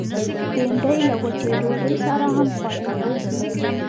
بېنډۍ له وچې ډوډۍ سره هم خوړل کېږي